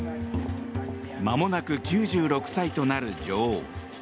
まもなく９６歳となる女王。